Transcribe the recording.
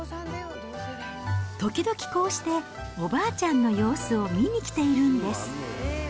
時々、こうしておばあちゃんの様子を見に来ているんです。